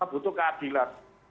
saya butuh keadilan